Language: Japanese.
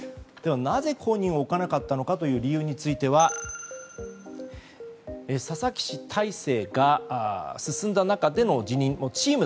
なぜ後任を置かなかったかという理由については佐々木氏体制が進んだ中での辞任。